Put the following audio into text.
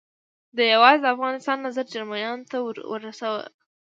ده یوازې د افغانستان نظر جرمنیانو ته ورساوه.